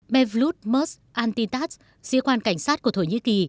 mevlut murs antitat sĩ quan cảnh sát của thổ nhĩ kỳ